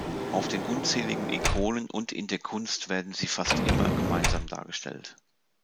Auf den unzähligen Ikonen und in der Kunst werden sie fast immer gemeinsam dargestellt.